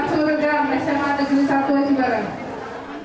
para surga sma tujuh puluh satu jibaran